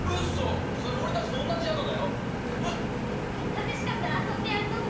寂しかったら遊んでやるぞタテノリ。